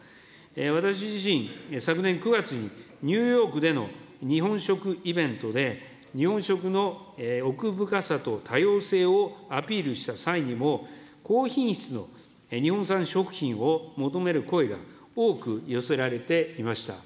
私自身、昨年９月にニューヨークでの日本食イベントで、日本食の奥深さと多様性をアピールした際にも、高品質の日本産食品を求める声が多く寄せられていました。